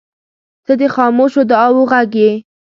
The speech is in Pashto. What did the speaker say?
• ته د خاموشو دعاوو غږ یې.